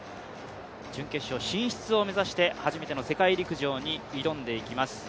準決勝進出を目指して、初めての世界陸上に挑んでいきます